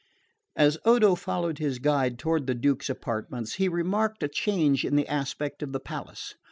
As Odo followed his guide toward the Duke's apartments he remarked a change in the aspect of the palace.